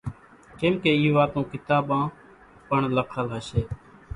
ڪيمڪي اِي واتون ڪتاٻان پڻ لکل ھشي